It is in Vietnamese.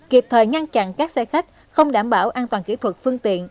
kịp thời ngăn chặn các xe khách không đảm bảo an toàn kỹ thuật phương tiện